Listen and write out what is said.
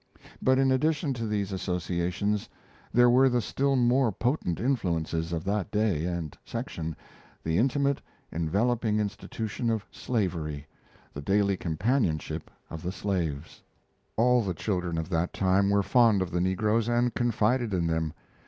But in addition to these associations, there were the still more potent influences Of that day and section, the intimate, enveloping institution of slavery, the daily companionship of the slaves. All the children of that time were fond of the negroes and confided in them.